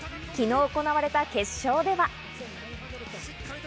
昨日行われた決勝では。